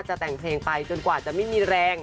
แต่งเพลงไปจนกว่าจะไม่มีแรง